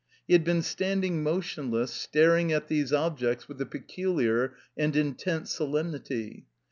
He had been standing motion less, staring at these objects with a peculiar and in tent solemnity.